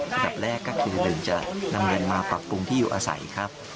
อันดับแรกก็คือ๑จะนำเงินมาปรับปรุงที่อยู่อาศัยครับ